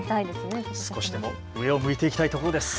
少しでも上を向いて行きたいところです。